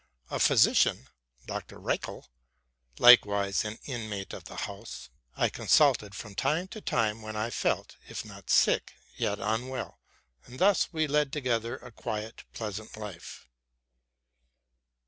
A physician, Doctor Reichel, likewise an inmate of the house, I consulted from time to time when I felt, if not sick, yet unwell; and thus we led together a quiet, pleasant life.